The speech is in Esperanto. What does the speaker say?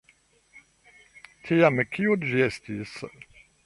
Tiam kio ĝi estis?